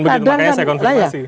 begitu makanya saya konfirmasi